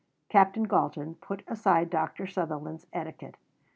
Captain Galton put aside Dr. Sutherland's etiquette.